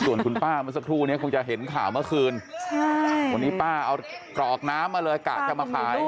ส่วนคุณป้าเมื่อสักครู่นี้คงจะเห็นข่าวเมื่อคืนวันนี้ป้าเอากรอกน้ำมาเลยกะจะมาขาย